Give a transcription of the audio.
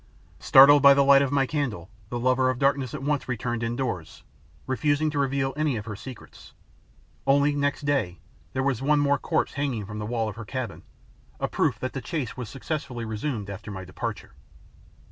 Startled by the light of my candle, the lover of darkness at once returned indoors, refusing to reveal any of her secrets. Only, next day, there was one more corpse hanging from the wall of the cabin, a proof that the chase was successfully resumed after my departure.